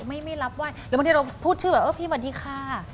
มีมันบอกพูดชื่ออ่ะพี่วัดดิค่า